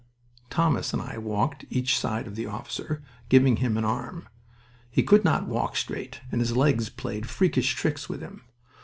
Thomas and I walked each side of the officer, giving him an arm. He could not walk straight, and his legs played freakish tricks with him.